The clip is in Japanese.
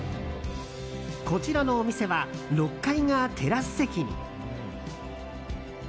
こちらのお店は６階がテラス席に。